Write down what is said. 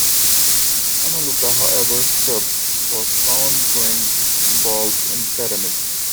A "Melaleuca howeana" shrub was found growing on Ball's Pyramid.